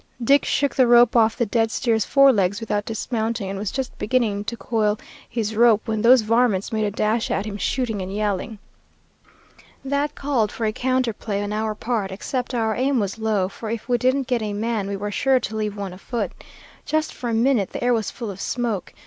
Dick shook the rope off the dead steer's forelegs without dismounting, and was just beginning to coil his rope when those varmints made a dash at him, shooting and yelling. "That called for a counter play on our part, except our aim was low, for if we didn't get a man, we were sure to leave one afoot. Just for a minute the air was full of smoke.